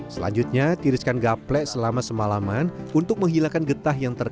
selanjutnya tiriskan gaplek selama semalaman untuk menghilangkan getah yang terjadi